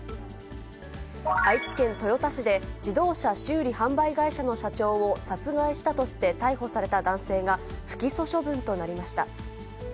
愛知県豊田市で自動車修理販売会社の社長を殺害したとして逮捕された男性が、不起訴処分となりました。